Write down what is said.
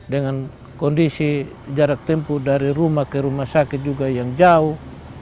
dengan kondisi jarak tempuh dari rumah ke rumah sakit juga yang jauh